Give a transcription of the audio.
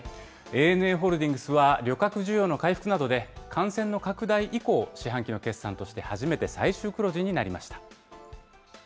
ＡＮＡホールディングスは、旅客需要の回復などで、感染の拡大以降、四半期の決算として初めて最終黒字になりました。